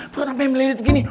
perut sampai melilit begini